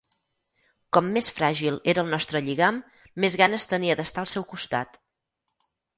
Com més fràgil era el nostre lligam, més ganes tenia d'estar al seu costat.